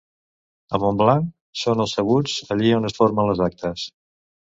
A Montblanc són els sabuts, allí on es formen les actes.